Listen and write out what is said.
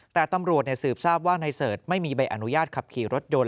แต่ตำรวจสืบทราบว่านายเสิร์ชไม่มีใบอนุญาตขับขี่รถยนต์